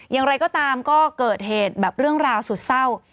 อย่างไรก็ตามก็เกิดเหตุแบบเรื่องราวสุดเศร้า